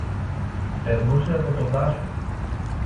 Περνούσε από το δάσος.